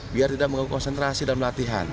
biar tidak mengganggu konsentrasi dan latihan